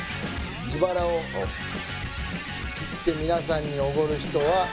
自腹を切って皆さんにおごる人は。